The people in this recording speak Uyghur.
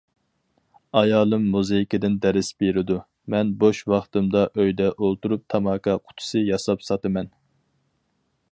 ئايالىم مۇزىكىدىن دەرس بېرىدۇ، مەن بوش ۋاقتىمدا ئۆيدە ئولتۇرۇپ تاماكا قۇتىسى ياساپ ساتىمەن.